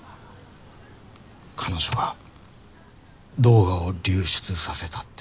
彼女が動画を流出させたって。